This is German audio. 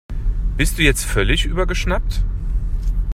Bist du jetzt völlig übergeschnappt?